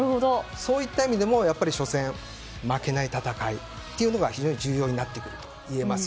そういった意味でも初戦、負けない戦いというのが非常に重要になってくるといえます。